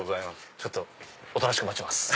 ちょっとおとなしく待ちます。